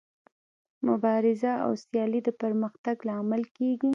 مبارزه او سیالي د پرمختګ لامل کیږي.